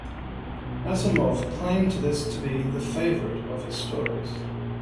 Asimov claimed this to be the favorite of his stories.